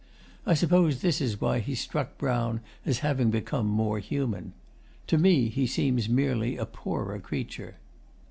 I suppose this is why he struck Brown as having become 'more human.' To me he seems merely a poorer creature.